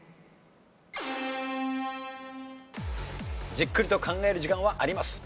じっくりと考える時間はあります。